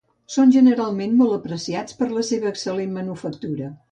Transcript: Són generalment molt apreciats per la seva excel·lent manufactura.